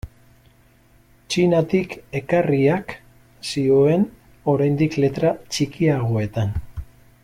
Txinatik ekarriak zioen oraindik letra txikiagoetan.